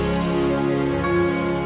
mereka sudah berjalan